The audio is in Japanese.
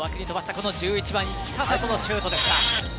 この１１番きたさとのシュートでした。